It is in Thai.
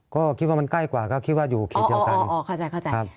ก็คิดว่ามันใกล้กว่าก็คิดว่าอยู่เขตเดียวกันอ๋อเข้าใจเข้าใจครับ